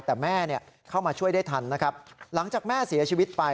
แต่แม่เข้ามาช่วยได้ทันนะครับหลังจากแม่เสียชีวิตไป